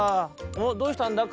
「おっどうしたんだ？